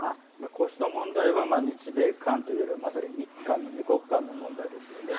こうした問題は日米韓というよりはまさに日韓の２国間の問題ですよね。